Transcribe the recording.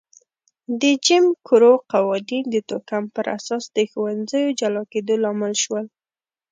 د جیم کرو قوانین د توکم پر اساس د ښوونځیو جلا کېدو لامل شول.